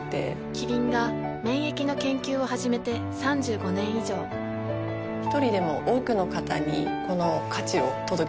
キリンが免疫の研究を始めて３５年以上一人でも多くの方にこの価値を届けていきたいと思っています。